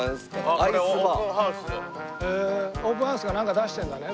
オープンハウスがなんか出してるんだね